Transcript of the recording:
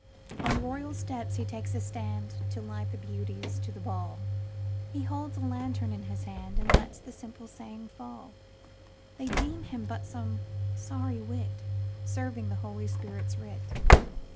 On royal steps he takes a standTo light the beauties to the ball; He holds a lantern in his hand, And lets this simple saying fall. They deem him but some sorry witServing the Holy Spirit's writ.